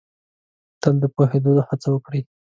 تل د پوهېدو هڅه وکړ ئ